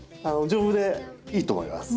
丈夫でいいと思います。